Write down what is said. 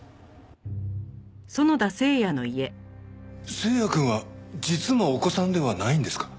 星也くんは実のお子さんではないんですか？